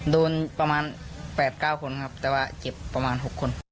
โดนประมาณ๘๙คนครับแต่ว่าเจ็บประมาณ๖คน